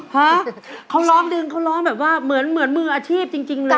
ฮะเขาร้องดึงเขาร้องแบบว่าเหมือนมืออาชีพจริงเลย